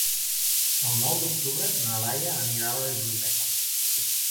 El nou d'octubre na Laia anirà a la biblioteca.